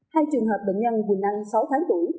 hai trường hợp bệnh nhân quỳnh năng sáu tháng tuổi